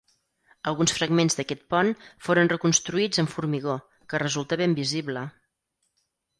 Alguns fragments d'aquest pont foren reconstruïts amb formigó, que resulta ben visible.